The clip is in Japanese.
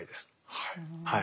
はい。